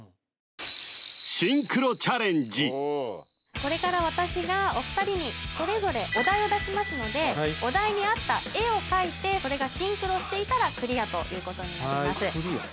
これから私がお二人にそれぞれお題を出しますのでお題に合った絵を描いてそれがシンクロしていたらクリアということになります